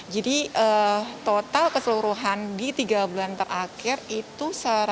jadi total keseluruhan di tiga bulan terakhir itu satu ratus tiga puluh tujuh